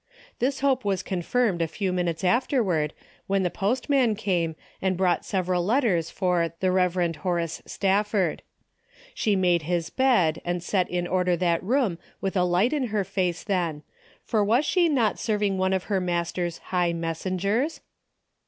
This hope was confirmed a few minutes afterward when the postman came and brought several letters for the Eev. Horace Stafford. She made his bed and set in order that room with a light in her face then, for was she not serv ing one of her Master's high messengers?